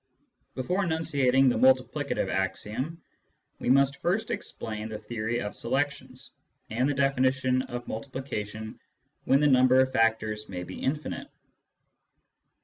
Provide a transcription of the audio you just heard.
Before enunciating the multiplicative axiom, we must first explain the theory of selections, and the definition of multi plication when the number of factors may be infinite.